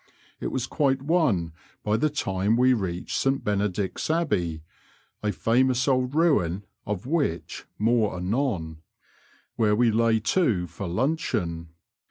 It was quite one by the time we reached St Bene dict's Abbey (a famous old ruin, of which more anon), where we lay to for luncheon.